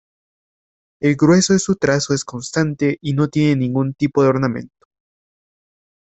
El grueso de su trazo es constante y no tiene ningún tipo de ornamento.